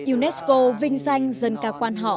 unesco vinh danh dân ca quan họ